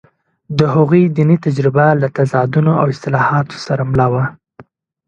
د هغوی دیني تجربه له تضادونو او اصلاحاتو سره مله وه.